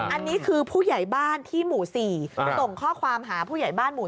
อันนี้คือผู้ใหญ่บ้านที่หมู่๔ส่งข้อความหาผู้ใหญ่บ้านหมู่๑